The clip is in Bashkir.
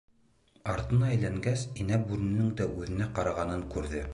Артына әйләнгәс, инә бүренең дә үҙенә ҡарағанын күрҙе.